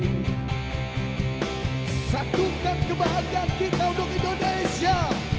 satukan kebahagiaan kita untuk indonesia